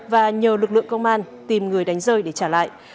và nhờ lực lượng công an tìm người đánh rơi để trả lại